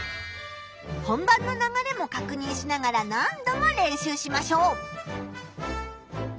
本番の流れもかくにんしながら何度も練習しましょう！